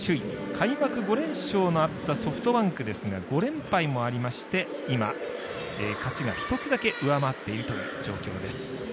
開幕５連勝のあったソフトバンクですが５連敗もありまして今、勝ちが１つだけ上回っているという状況です。